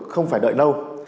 không phải đợi lâu